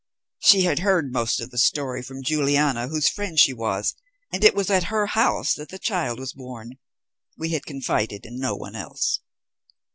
She had heard most of the story from Juliana, whose friend she was, and it was at her house that the child was born. We had confided in no one else.